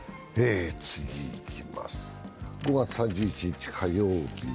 ５月３１日火曜日。